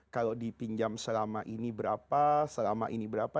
kalau dipinjam selama ini berapa selama ini berapa